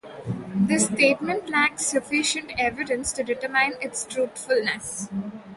This statement lacks sufficient evidence to determine its truthfulness.